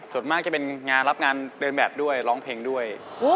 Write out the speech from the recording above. ส่วนมากจะเป็นงานรับงานเดินแบบด้วยร้องเพลงด้วย